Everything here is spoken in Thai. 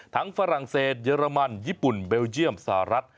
ฝรั่งเศสเยอรมันญี่ปุ่นเบลเยี่ยมสหรัฐ